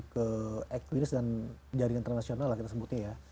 ke equilis dan jaringan internasional kita sebutnya ya